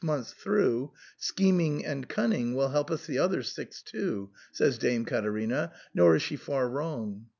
129 months through, scheming and cunning will help us the other six too), says Dame Caterina, nor is she far wrong.